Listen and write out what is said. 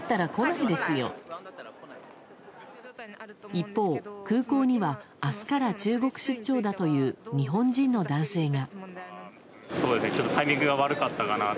一方、空港には明日から中国出張だという日本人の男性が。